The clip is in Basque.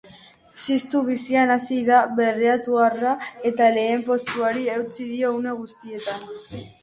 Ziztu bizian hasi da berriatuarra eta lehen postuari eutsi dio une guztian.